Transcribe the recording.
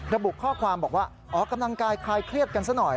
ระบุข้อความบอกว่าออกกำลังกายคลายเครียดกันซะหน่อย